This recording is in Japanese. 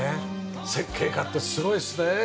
設計家ってすごいですね！